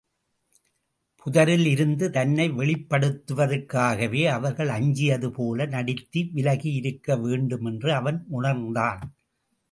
புதரிலிருந்து தன்னை வெளிப்படுத்துவதற்காகவே அவர்கள் அஞ்சியதுபோல நடித்து விலகியிருக்க வேண்டுமென்று அவன் உணர்ந்தான்.